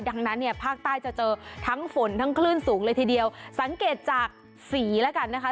ดังนั้นเนี่ยภาคใต้จะเจอทั้งฝนทั้งคลื่นสูงเลยทีเดียวสังเกตจากสีแล้วกันนะคะ